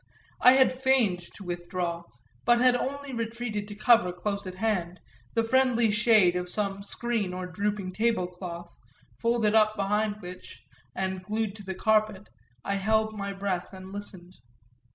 I had feigned to withdraw, but had only retreated to cover close at hand, the friendly shade of some screen or drooping table cloth, folded up behind which and glued to the carpet, I held my breath and listened.